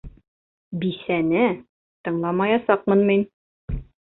Бисәне тыңламаясаҡмын мин.